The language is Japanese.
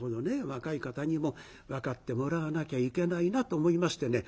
若い方にも分かってもらわなきゃいけないなと思いましてね